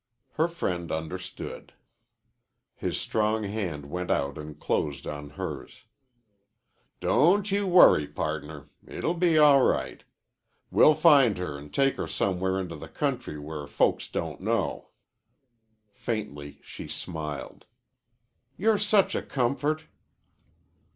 Her friend understood. His strong hand went out and closed on hers. "Don't you worry, pardner. It'll be all right. We'll find her an' take her somewhere into the country where folks don't know." Faintly she smiled. "You're such a comfort."